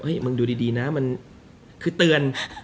มึงดูดีนะมันคือเตือน